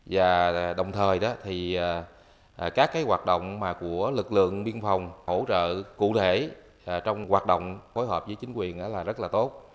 và đồng thời thì các hoạt động của lực lượng biên phòng hỗ trợ cụ thể trong hoạt động phối hợp với chính quyền là rất là tốt